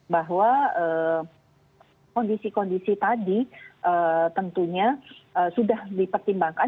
bahwa kondisi kondisi tadi tentunya sudah dipertimbangkan